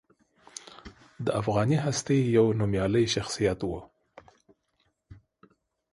د افغاني هستې یو نومیالی شخصیت و.